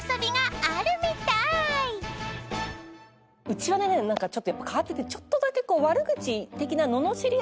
うちはね何かやっぱ変わっててちょっとだけ悪口的な。